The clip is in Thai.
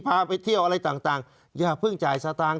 พาไปเที่ยวอะไรต่างอย่าเพิ่งจ่ายสตางค